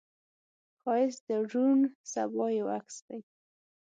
ښایست د روڼ سبا یو عکس دی